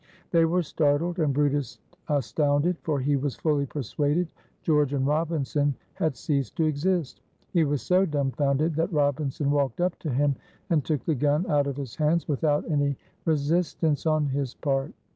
They were startled, and brutus astounded, for he was fully persuaded George and Robinson had ceased to exist. He was so dumfounded that Robinson walked up to him and took the gun out of his hands without any resistance on his part.